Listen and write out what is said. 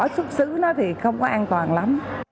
xuất xứ nó thì không an toàn lắm